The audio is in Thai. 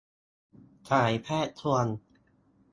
สายแพทย์ ชวน